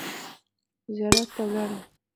زیارت ته ولاړم.